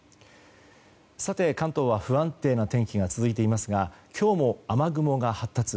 関東は不安定な天気が続いていますが今日も雨雲が発達。